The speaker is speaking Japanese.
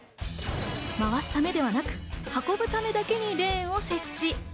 回すためではなく、運ぶためだけにレーンを設置。